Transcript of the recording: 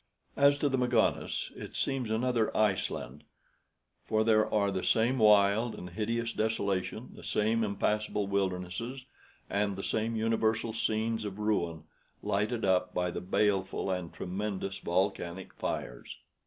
As to Magones, it seems another Iceland; for there are the same wild and hideous desolation, the same impassable wildernesses, and the same universal scenes of ruin, lighted up by the baleful and tremendous volcanic fires."